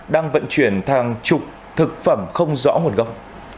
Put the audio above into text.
đang vận chuyển thang trục thực phẩm không rõ nguồn gốc